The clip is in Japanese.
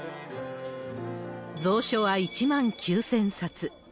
蔵書は１万９０００冊。